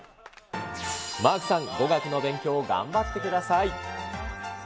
マークさん、語学の勉強、頑張ってください。